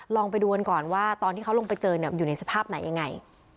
ลองไปดูกันก่อนว่าตอนที่เขาลงไปเจออยู่ในสภาพไหนยังไง